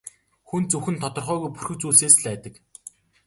Хүн зөвхөн тодорхойгүй бүрхэг зүйлсээс л айдаг.